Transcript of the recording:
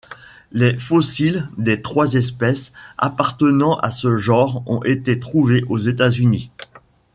Les fossiles des trois espèces appartenant à ce genre ont été trouvés aux États-Unis.